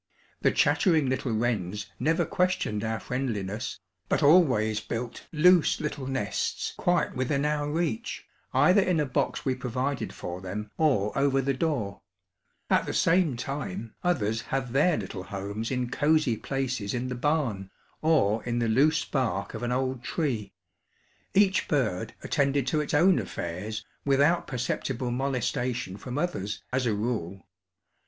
The chattering little wrens never questioned our friendliness, but always built loose little nests quite within our reach, either in a box we provided for them or over the door; at the same time others had their little homes in cozy places in the barn, or in the loose bark of an old tree. Each bird attended to its own affairs without perceptible molestation from others, as a rule.